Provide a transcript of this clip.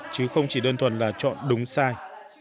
chứ không chỉ đơn thuần là chọn đúng sai